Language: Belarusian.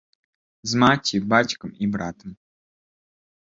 З маці, бацькам і братам.